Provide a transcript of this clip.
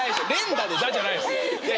「打」じゃないです。